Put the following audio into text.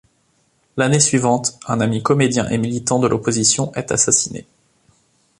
L'année suivante, un ami comédien et militant de l’opposition est assassiné.